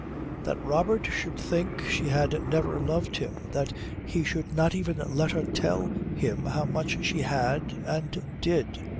That Robert should think she had never loved him, that he should not even let her tell him how much she had and did!